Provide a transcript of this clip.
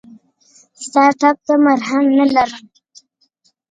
ستا ټپ ته مرهم نه لرم !